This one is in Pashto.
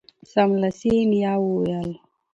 سملاسي یې نیا وویل